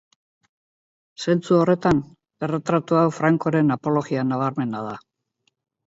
Zentzu horretan, erretratu hau Francoren apologia nabarmena da.